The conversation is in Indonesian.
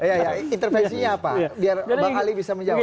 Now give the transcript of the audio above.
iya iya intervensinya apa biar bang ali bisa menjawab